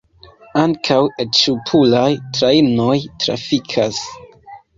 Ankaŭ et-ŝpuraj trajnoj trafikas.